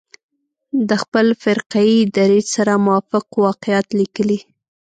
د خپل فرقه يي دریځ سره موافق واقعات لیکلي.